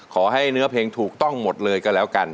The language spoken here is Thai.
ขอให้เนื้อเพลงถูกต้องหมดเลยก็แล้วกัน